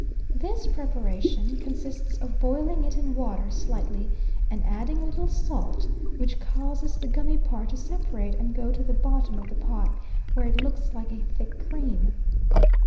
This preparation consists of boiling it in water slightly, and adding a little salt, which causes the gummy part to separate and go to the bottom of the pot, where it looks like a thick cream.